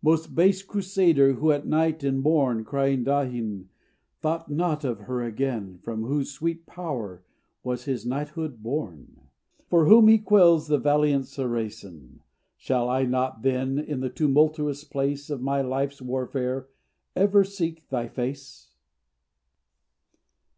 Most base crusader, who at night and morn Crying Dahin, thought not of her again From whose sweet power was his knighthood born, For whom he quells the valiant Saracen. Shall I not, then, in the tumultuous place Of my life's warfare ever seek thy face?